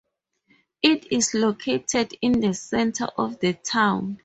It is located in the center of the town.